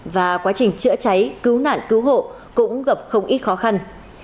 và quá trình chữa cháy cứu nạn cứu hộ cũng gặp không ít khó khăn